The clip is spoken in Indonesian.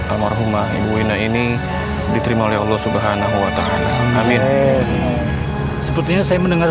almarhumah ibu wina ini diterima oleh allah subhanahu wa ta'ala amin sepertinya saya mendengar